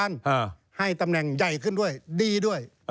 ให้ตำแหน่งใหญ่ขึ้นด้วยดีด้วย